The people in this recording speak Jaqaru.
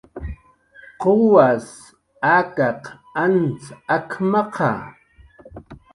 "¿Quwas akaq antz ak""maqa? "